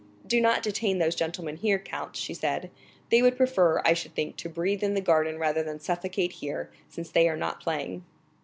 "Do not detain those gentlemen here, count," she said; "they would prefer, I should think, to breathe in the garden rather than suffocate here, since they are not playing."